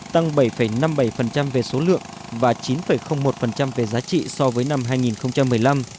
tăng bảy năm mươi bảy về số lượng và chín một về giá trị so với năm hai nghìn một mươi năm